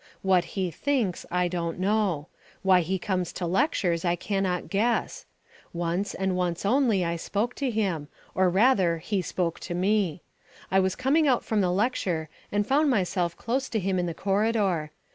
What he thinks I don't know. Why he comes to lectures I cannot guess. Once, and once only, I spoke to him, or, rather, he spoke to me. I was coming out from the lecture and found myself close to him in the corridor.